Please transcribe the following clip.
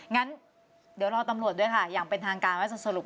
งั้นเดี๋ยวรอตำรวจด้วยค่ะอย่างเป็นทางการว่าจะสรุป